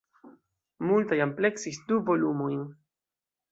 Multaj ampleksis du volumojn.